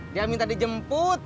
dia minta dijemput